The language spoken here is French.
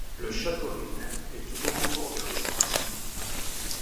Le château lui-même est toujours en cours de restauration.